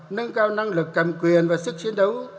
nâng cao năng lực cầm quyền và sức chiến đấu